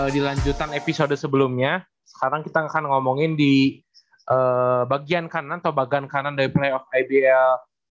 di lanjutan episode sebelumnya sekarang kita akan ngomongin di bagian kanan atau bagian kanan dari playoff ibl dua ribu dua puluh dua